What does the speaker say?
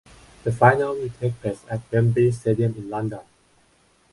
The final will take place at Wembley Stadium in London.